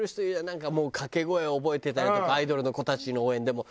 なんかもうかけ声覚えてたりとかアイドルの子たちの応援でも。